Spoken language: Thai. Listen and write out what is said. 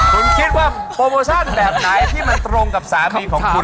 คุณคิดว่าโปรโมชั่นแบบไหนที่มันตรงกับสามีของคุณ